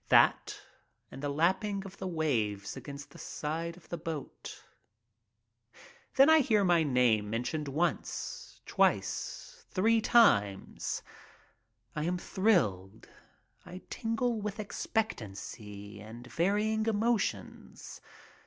That and the lapping of the waves against the side of the boat. Then I hear my name mentioned once, twice, three times. I am thrilled. I tingle with expectancy and varying emotions.